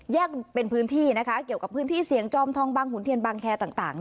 แยกเป็นพื้นที่เกี่ยวกับพื้นที่เสี่ยงจอมทองบังหุนเทียนบังแค